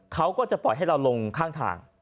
เขาก็จะปล่อยให้เราลงข้างทาง